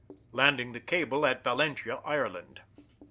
_Landing the Cable at Valentia, Ireland.